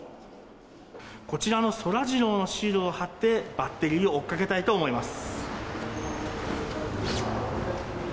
こちらのそらジローのシールを貼って、バッテリーを追っかけたいと思います。